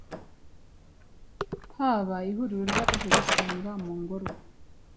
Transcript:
haba ihuriro ry‟abaje gusenga mu ngoro.